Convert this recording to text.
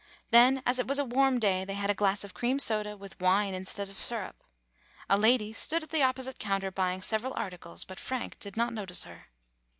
Then, as it was a warm day, they had a glass of cream soda, with wine instead of syrup. A lady stood at the opposite counter buying several articles, but Frank did not no tice her.